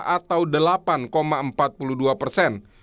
atau delapan empat puluh dua persen